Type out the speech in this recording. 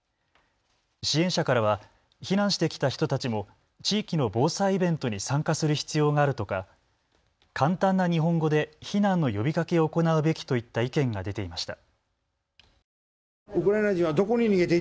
支援者からは避難してきた人たちも地域の防災イベントに参加する必要があるとか簡単な日本語で避難の呼びかけを行うべきといった意見が出ていました。